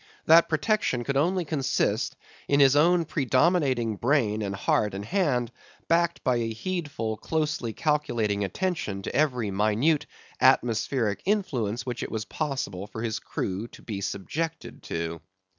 That protection could only consist in his own predominating brain and heart and hand, backed by a heedful, closely calculating attention to every minute atmospheric influence which it was possible for his crew to be subjected to.